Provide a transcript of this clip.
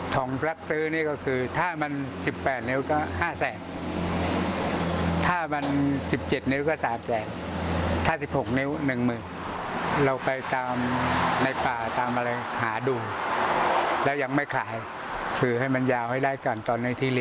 ถองสรัจซื้อนี่คือถ้ามัน๑๘นิ้วก็๕๐๐๐๐๐